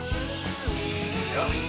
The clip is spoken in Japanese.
よし。